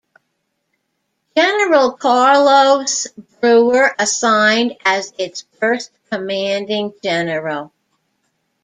General Carlos Brewer assigned as its first commanding general.